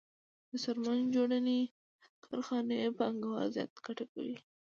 د څرمن جوړونې کارخانې پانګوال زیاته ګټه کوي